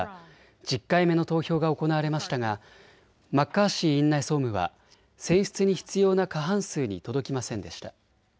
１０回目の投票が行われましたがマッカーシー院内総務は選出に必要な過半数に届きませんでした。